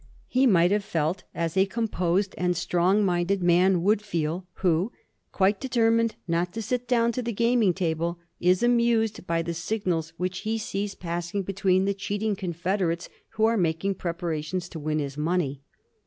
He might have felt as a composed and strong minded man would feel who, quite determined not to sit down to the gaming table, is amused by the signals which he sees passing between the cheating confederates who are making preparations to win his money.